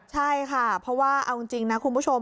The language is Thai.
ใช่ค่ะเพราะว่าเอาจริงนะคุณผู้ชม